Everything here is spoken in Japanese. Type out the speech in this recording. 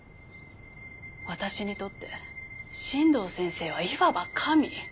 私にとって新道先生はいわば神。